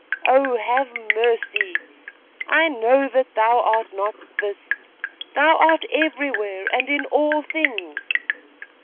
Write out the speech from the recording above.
Oh, have mercy! I know that thou art not this! Thou art everywhere and in all things!